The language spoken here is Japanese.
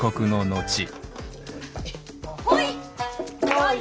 ・ほい！